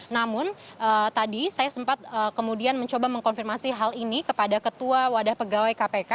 namun tadi saya sempat kemudian mencoba mengkonfirmasi hal ini kepada ketua wadah pegawai kpk